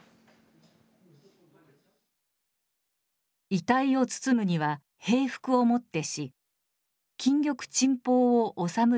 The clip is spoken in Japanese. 「遺体を包むには平服をもってし金玉珍宝をおさむる事なかれ」。